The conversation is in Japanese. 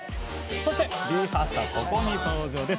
そして、ＢＥ：ＦＩＲＳＴはここに登場です。